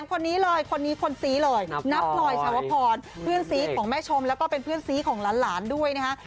คนนี้เลยคนนี้คนซีเลยนับพลอยชาวพรเพื่อนซีของแม่ชมแล้วก็เป็นเพื่อนซีของหลานด้วยนะฮะ